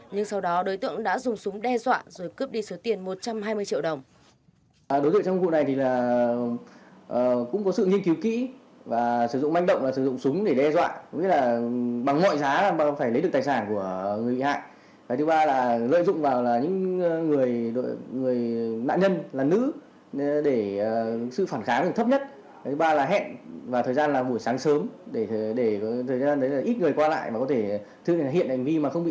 nhưng sau đó đối tượng đã dùng súng đe dọa rồi cướp đi số tiền một trăm hai mươi triệu đồng